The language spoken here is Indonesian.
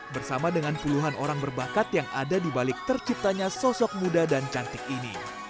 bersama dengan puluhan orang berbakat yang ada di balik terciptanya sosok muda dan cantik ini